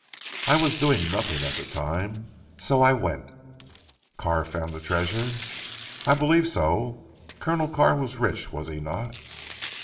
I was doing nothing at the time, so I went." "Carr found the treasure?" "I believe so. Colonel Carr was rich was he not?"